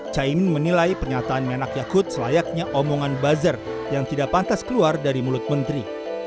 caimin menilai pernyataan menak yakut selayaknya omongan buzzer yang tidak pantas keluar dari mulut menteri